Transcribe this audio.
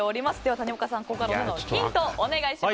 谷岡さん、ここからお値段のヒントをお願いします。